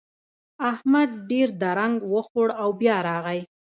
احمد ډېر درنګ وخوړ او بيا راغی.